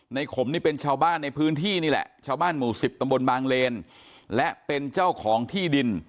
ขมนี่เป็นชาวบ้านในพื้นที่นี่แหละชาวบ้านหมู่สิบตำบลบางเลนและเป็นเจ้าของที่ดิน